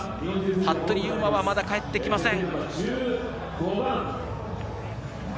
服部勇馬はまだ帰ってきません。